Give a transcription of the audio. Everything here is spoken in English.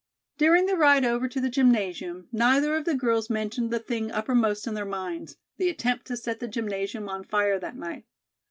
During the ride over to the gymnasium, neither of the girls mentioned the thing uppermost in their minds: the attempt to set the gymnasium on fire that night.